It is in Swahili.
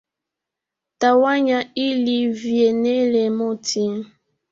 Tawanya ili vyenele moti